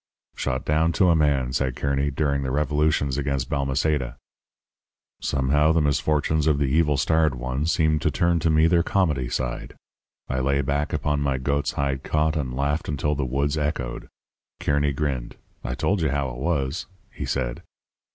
"'Shot down to a man,' said Kearny, 'during the revolutions against Balmaceda.' "Somehow the misfortunes of the evil starred one seemed to turn to me their comedy side. I lay back upon my goat's hide cot and laughed until the woods echoed. Kearny grinned. 'I told you how it was,' he said.